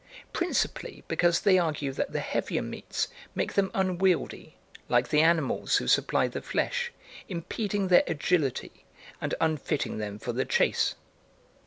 principally because they argue that the heavier meats make them unwieldy, like the animals who supply the flesh, impeding their agility, and unfitting them for the chase."